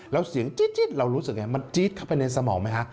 แล้วเสียงจี๊ดเรารู้สึกยังไงมันจี๊ดเข้าไปในสมองไหมฮะ